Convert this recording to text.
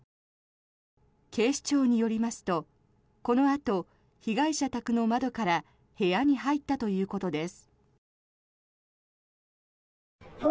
警視庁によりますとこのあと被害者宅の窓から部屋に入ったということです。